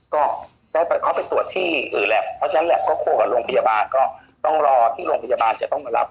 ก็ได้เข้าไปตรวจที่อื่นแหละเพราะฉะนั้นแหละก็คุยกับโรงพยาบาลก็ต้องรอที่โรงพยาบาลจะต้องมารับ